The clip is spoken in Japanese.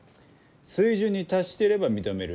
水準に達していれば認める。